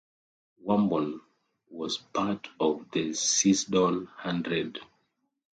Wombourne was part of the Seisdon Hundred.